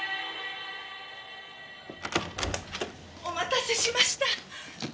お待たせしました。